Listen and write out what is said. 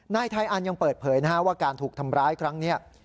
นายไทยอันยังเปิดเผยว่าการถูกทำร้ายครั้งนี้